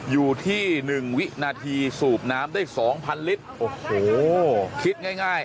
อยู่ที่หนึ่งวินาทีสูบน้ำได้สองพันธุ์ลิตรโอ้โหคิดง่ายง่าย